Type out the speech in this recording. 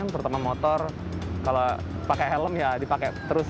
terutama motor kalau pakai helm ya dipakai terus